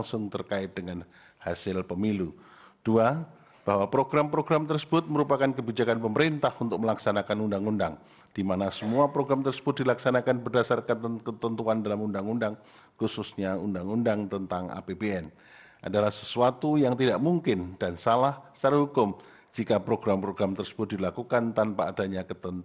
skema rumah dependable percent